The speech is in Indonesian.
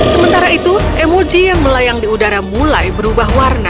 sementara itu emoji yang melayang di udara mulai berubah warna